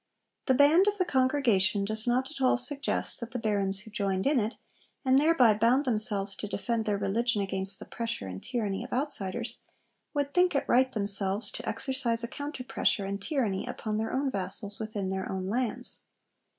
The 'Band' of the congregation does not at all suggest that the Barons who joined in it, and thereby bound themselves to defend their religion against the pressure and tyranny of outsiders, would think it right themselves to exercise a counter pressure and tyranny upon their own vassals within their own lands.